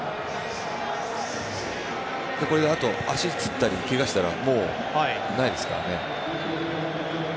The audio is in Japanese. あと足をつったりけがをしたらもう、ないですからね。